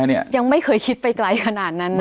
ไม่อยากคิดไปไกลเท่านั้น